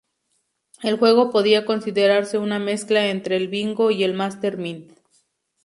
El juego podía considerarse una mezcla entre el Bingo y el Master Mind.